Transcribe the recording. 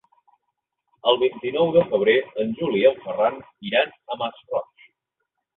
El vint-i-nou de febrer en Juli i en Ferran iran al Masroig.